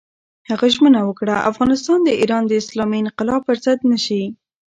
هغه ژمنه وکړه، افغانستان د ایران د اسلامي انقلاب پر ضد نه شي.